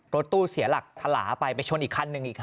รถตู้เสียหลักทะลาไปไปชนอีกคันหนึ่งอีกฮ